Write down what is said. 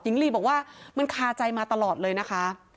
ลีบอกว่ามันคาใจมาตลอดเลยนะคะ